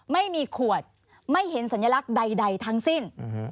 ไม่มีขวดไม่เห็นสัญลักษณ์ใดทั้งสิ้น